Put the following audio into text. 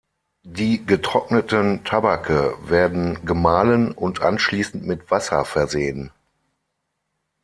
Die getrockneten Tabake werden gemahlen und anschließend mit Wasser versehen.